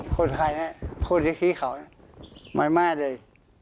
คนไข่นี่คนที่ขี้เขาคือไหม้แม้ด้วย